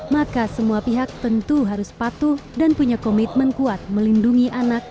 maka semua pihak tentu harus patuh dan punya komitmen kuat melindungi anak